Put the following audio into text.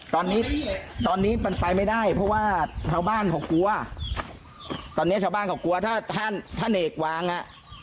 ตอนนี้ตอนนี้มันไปไม่ได้เพราะว่าชาวบ้านเขากลัวตอนนี้ชาวบ้านเขากลัวถ้าถ้าเนกวางอ่ะ